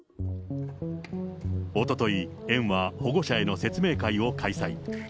おととい、園は保護者への説明会を開催。